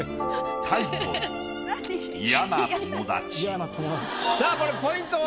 タイトルさあこれポイントは？